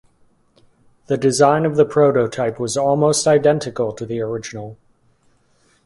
The design of the prototype was almost identical to the original.